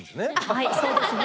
はいそうですね。